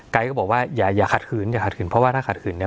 ก็บอกว่าอย่าขัดขืนอย่าขัดขืนเพราะว่าถ้าขัดขืนเนี่ย